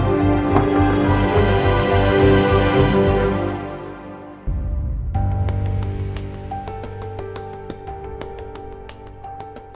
oh iya taruh saja